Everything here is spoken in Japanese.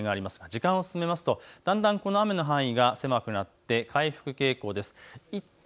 時間を進めますとだんだんこの雨の範囲が狭くなって、回復傾向です。